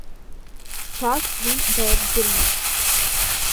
Чагә уи дааирӡырҩит.